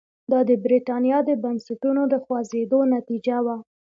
دا د برېټانیا د بنسټونو د خوځېدو نتیجه وه.